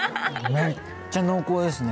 めっちゃ濃厚ですね。